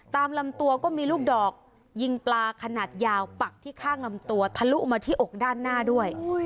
ตามลำตัวก็มีลูกดอกยิงปลาขนาดยาวปักที่ข้างลำตัวทะลุมาที่อกด้านหน้าด้วย